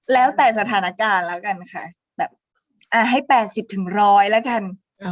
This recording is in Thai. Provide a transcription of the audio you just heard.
แล้วแต่สถานการณ์แล้วกันค่ะแบบให้๘๐๑๐๐แล้วกัน